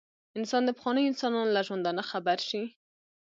انسان د پخوانیو انسانانو له ژوندانه خبر شي.